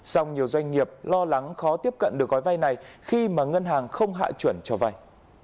song nhiều doanh nghiệp lo lắng khó tiếp cận được gói vay này khi mà ngân hàng không hạ chuẩn cho vay